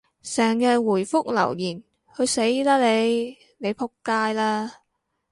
成日回覆留言，去死啦你！你仆街啦！